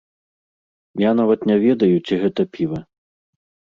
Я нават не ведаю, ці гэта піва.